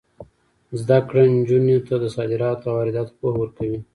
زده کړه نجونو ته د صادراتو او وارداتو پوهه ورکوي.